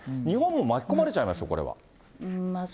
日本も巻き込まれちゃいますよ、これは。